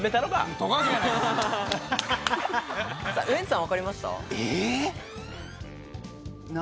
ウエンツさん、分かりました？